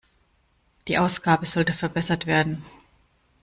Die Ausgabe sollte verbessert werden.